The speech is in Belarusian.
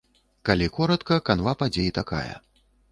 Калі коратка, канва падзей такая.